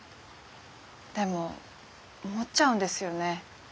でも思っちゃうんですよね。